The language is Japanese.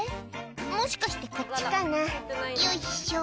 「もしかしてこっちかなよいしょ」